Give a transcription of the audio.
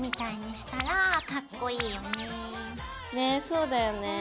そうだよね。